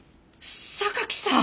榊さん！